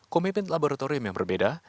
komitmen laboratorium yang berbeda